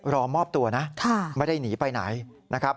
รอมอบตัวนะไม่ได้หนีไปไหนนะครับ